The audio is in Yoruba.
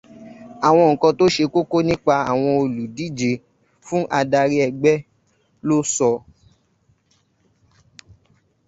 Àwọn nǹkan tó ṣe kókó nípa àwọn olùdíje fún adárí ẹgbẹ́ ló sọ.